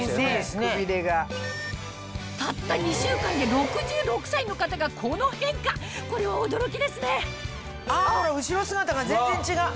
たった２週間で６６歳の方がこの変化これは驚きですねほら後ろ姿が全然違う。